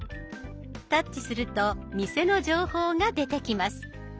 タッチすると店の情報が出てきます。